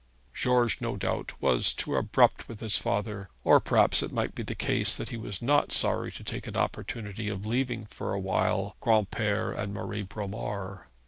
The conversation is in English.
George, no doubt, was too abrupt with his father; or perhaps it might be the case that he was not sorry to take an opportunity of leaving for a while Granpere and Marie Bromar.